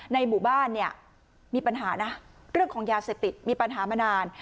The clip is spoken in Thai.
ในหมู่บ้านเนี่ยมีปัญหานะเรื่องของยาเสพติดมีปัญหามานาน